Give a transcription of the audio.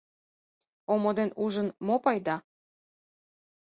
Омо ден ужын, мо пайда?